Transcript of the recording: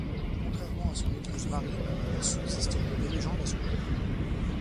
Contrairement à son épouse Mari, il subsiste peu de légendes à son propos.